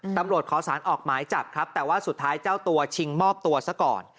ขอสารออกหมายจับครับแต่ว่าสุดท้ายเจ้าตัวชิงมอบตัวซะก่อน